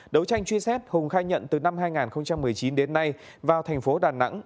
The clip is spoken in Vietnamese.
đấu tranh truy xét hùng khai nhận từ năm hai nghìn một mươi chín đến nay vào thành phố đà nẵng